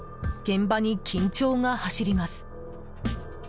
現場に緊張が走ります。